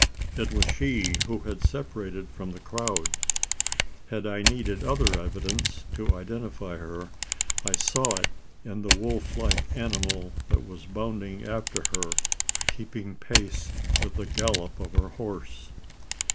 It was she who had separated from the crowd! Had I needed other evidence to identify her, I saw it in the wolf like animal that was bounding after her, keeping pace with the gallop of her horse.